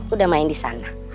udah main di sana